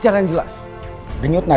saya ingin melihat keadaan bunda ama